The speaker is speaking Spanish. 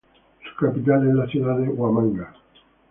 Su capital es la ciudad de Huamanga.